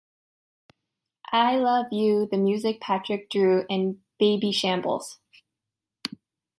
I love you, the music, Patrick, Dru and Babyshambles.